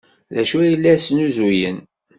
D acu ay la snuzuyen?